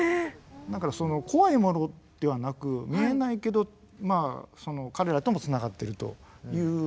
だから怖いものではなく見えないけどまあその彼らとも繋がっているという。